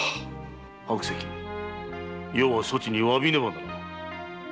余はそちに詫びねばならぬ。